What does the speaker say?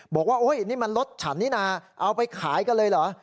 บอกว่าโอ๊ยนี่มันรถฉันนี่นะเอาไปขายกันเลยเหรอ